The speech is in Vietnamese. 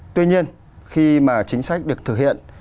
tuy nhiên khi mà chính sách được thực hiện